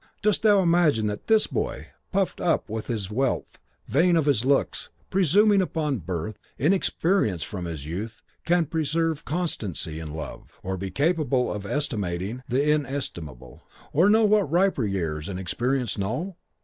Dost thou imagine that this boy, puffed up with his wealth, vain of his looks, presuming upon his birth, inexperienced from his youth, can preserve constancy in love, or be capable of estimating the inestimable, or know what riper years and experience know?